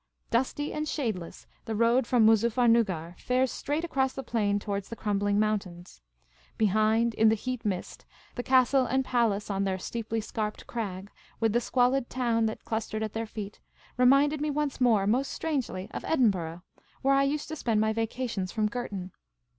Dusty and shadeless, the road from Moozuffernuggar fares straight across the plain towards the crumbling mountains. Behind, in the heat mist, the castle and palace on their steeply scarped crag, with the squalid town that clustered at their feet, reminded me once more most strangely of Edin burgh, where I used to spend my vacations from Girton.